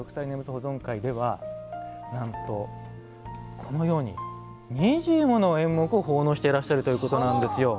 保存会ではなんと、このように２０もの演目を奉納していらっしゃるということなんですよ。